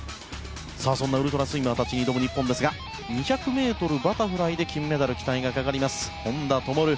そんなウルトラスイマーたちに挑む日本ですが２００ｍバタフライで金メダル期待がかかります本多灯。